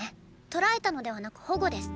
捕らえたのではなく保護です。